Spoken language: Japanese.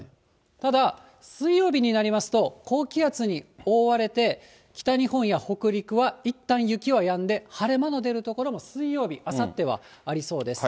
ただ、水曜日になりますと、高気圧に覆われて、北日本や北陸はいったん、雪はやんで、晴れ間の出る所も水曜日、あさってはありそうです。